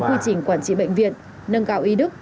quy trình quản trị bệnh viện nâng cao y đức